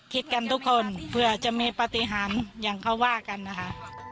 คิดกันทุกคนเผื่อจะมีปฏิหารอย่างเขาว่ากันนะคะ